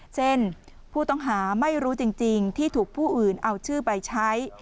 เช่นผู้ต้องหาไม่รู้จริงที่ถูกผู้อื่นเอาชื่อไปใช้